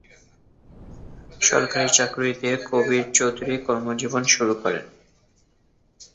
সরকারি চাকুরি দিয়ে কবীর চৌধুরী কর্মজীবন শুরু করেন।